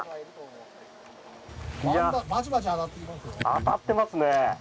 当たってますね。